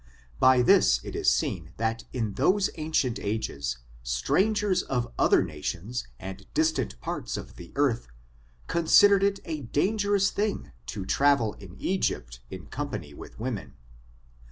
By tliis it is seen that in those ancient ages, strangers of other nations and distant parts of the earth, consid ered it a dangerous thing to travel in Egypt in com pany with women.